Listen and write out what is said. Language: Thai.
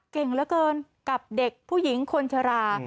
เก่งเหลือเกินกับเด็กผู้หญิงคนชรา